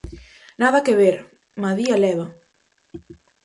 Nada que ver, madía leva.